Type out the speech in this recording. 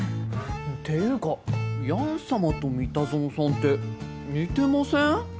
っていうかヤン様と三田園さんって似てません？